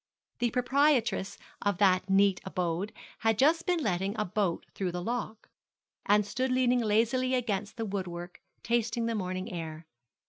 The proprietress of that neat abode had just been letting a boat through the lock, and stood leaning lazily against the woodwork, tasting the morning air.